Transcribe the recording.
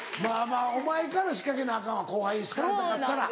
お前から仕掛けなアカンわ後輩に好かれたかったら。